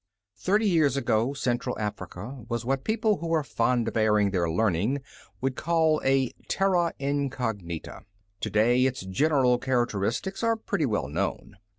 Thirty years ago Central Africa was what people who are fond of airing their learning would call a terra incognita. To day its general characteristics are pretty well known.